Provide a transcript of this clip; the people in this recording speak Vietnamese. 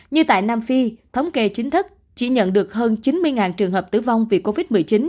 như tại nam phi thống kê chính thức chỉ nhận được hơn chín mươi trường hợp tử vong vì covid một mươi chín